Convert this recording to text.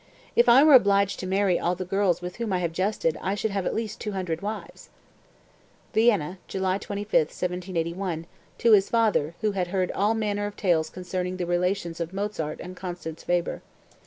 If I were obliged to marry all the girls with whom I have jested I should have at least 200 wives." (Vienna, July 25, 1781, to his father, who had heard all manner of tales concerning the relations of Mozart and Constanze Weber.)